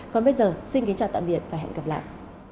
còn bây giờ xin kính chào tạm biệt và hẹn gặp lại